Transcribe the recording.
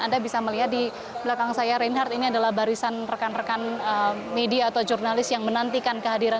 anda bisa melihat di belakang saya reinhardt ini adalah barisan rekan rekan media atau jurnalis yang menantikan kehadiran